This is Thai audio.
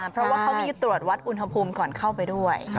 เพราะว่าเขามีตรวจวัดอุณหภูมิก่อนเข้าไปด้วย